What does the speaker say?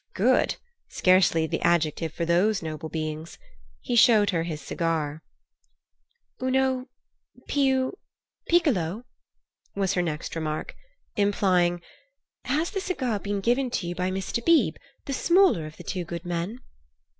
Good? Scarcely the adjective for those noble beings! He showed her his cigar. "Uno—piu—piccolo," was her next remark, implying "Has the cigar been given to you by Mr. Beebe, the smaller of the two good men?"